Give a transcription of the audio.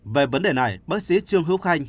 về vấn đề này bác sĩ trương hữu khanh